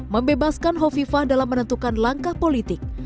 membebaskan hovifah dalam menentukan langkah politik